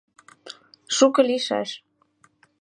Шуко лийшаш.